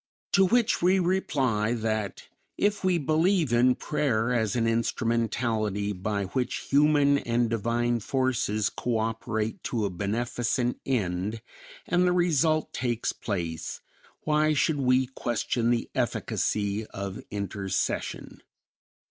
To which we reply that if we believe in prayer as an instrumentality by which human and divine forces cooperate to a beneficent end, and the result takes place, why should we question the efficacy of intercession?